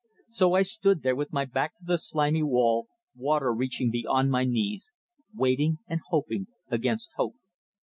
So I stood there with my back to the slimy wall, water reaching beyond my knees, waiting and hoping against hope.